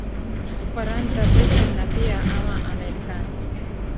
ufaransa britain na pia ame marekani